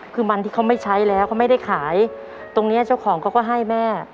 คือมันที่เขาไม่ใช้แล้วเขาไม่ได้ขายตรงเนี้ยเจ้าของเขาก็ให้แม่